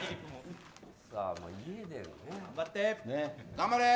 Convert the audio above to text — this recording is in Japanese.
頑張れー！